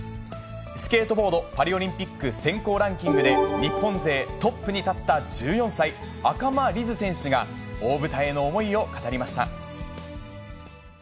スケートボード、パリオリンピック選考ランキングで、日本勢トップに立った１４歳、赤間凛音選手が大舞台への思いを語りました。